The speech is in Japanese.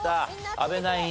阿部ナイン